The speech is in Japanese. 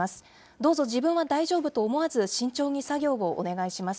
どうぞ、自分は大丈夫と思わず、慎重に作業をお願いします。